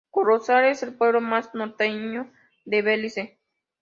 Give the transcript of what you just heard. Corozal es el pueblo más norteño de Belice.